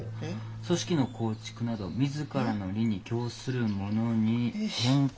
「組織の構築など自らの利に供するものに変換せしこと」。